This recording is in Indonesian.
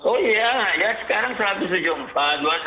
oh iya sekarang seratus sejumlah